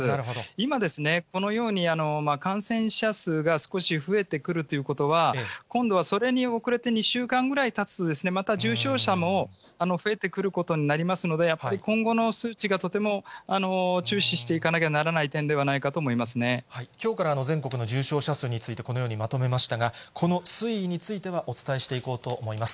今、このように感染者数が少し増えてくるということは、今度はそれに遅れて２週間ぐらいたつと、また重症者も増えてくることになりますので、やっぱり今後の数値がとても注視していかなきゃならない点ではなきょうから全国の重症者数について、このようにまとめましたが、この推移については、お伝えしていこうと思います。